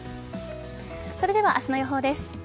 それでは明日の予報です。